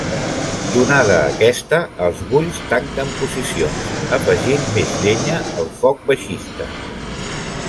Donada aquesta, els bulls tanquen posicions, afegint més llenya al foc baixista.